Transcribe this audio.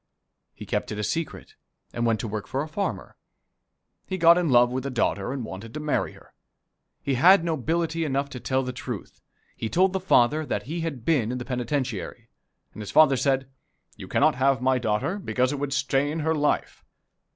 He kept it a secret, and went to work for a farmer. He got in love with the daughter, and wanted to marry her. He had nobility enough to tell the truth he told the father that he had been in the penitentiary. The father said, "You cannot have my daughter, because it would stain her life."